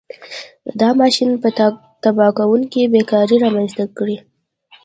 دا ماشین به تباه کوونکې بېکاري رامنځته کړي.